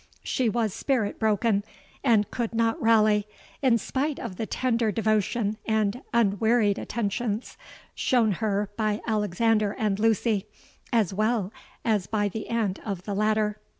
She was spirit broken, and could not rally, in spite of the tender devotion and unwearied attentions shown her by Alexander and Lucy, as well as by the aunt of the latter.